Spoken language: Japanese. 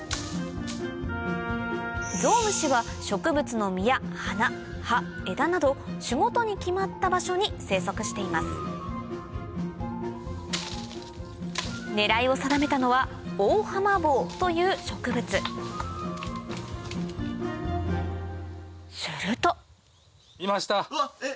ゾウムシは植物の実や花葉枝など種ごとに決まった場所に生息しています狙いを定めたのはオオハマボウという植物するとえっ！